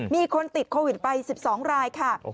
มีคนติดโควิดไป๑๒รายค่ะ